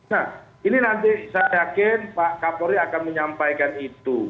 nah ini nanti saya yakin pak kapolri akan menyampaikan itu